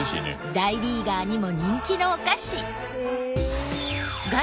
大リーガーにも人気のお菓子。